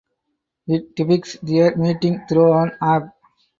It depicts their meeting through an app.